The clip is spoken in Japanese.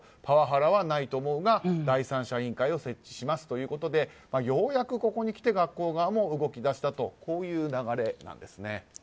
パワハラはないと思うが第三者委員会を設置しますということでようやくここにきて学校側も動き出したという流れなんですね。